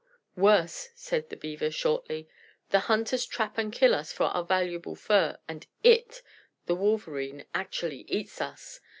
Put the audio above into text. "Worse," said the Beaver, shortly. "The hunters trap and kill us for our valuable fur, and IT the Wolverene actually eats us!